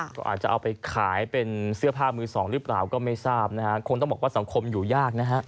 ก็อาจจะเอาไปขายเป็นเสื้อผ้ามือสองหรือเปล่าก็ไม่ทราบนะฮะคงต้องบอกว่าสังคมอยู่ยากนะฮะ